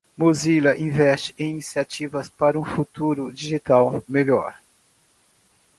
Mozilla investe em iniciativas para um futuro digital melhor.